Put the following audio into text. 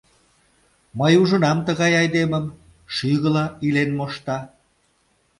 Мый ужынам тыгай айдемым — шӱгыла илен мошта.